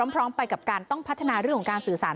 พร้อมไปกับการต้องพัฒนาเรื่องของการสื่อสาร